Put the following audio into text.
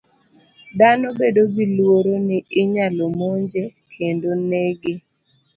Dhano bedo gi luoro ni inyalo monje kendo nege.